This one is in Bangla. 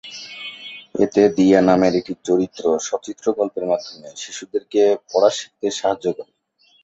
এতে দিয়া নামের একটি চরিত্র সচিত্র গল্পের মাধ্যমে শিশুদেরকে পড়া শিখতে সাহায্য করে।